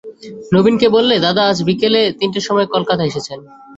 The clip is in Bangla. নবীনকে বললে, দাদা আজ বিকেলে তিনটের সময় কলকাতায় এসেছেন।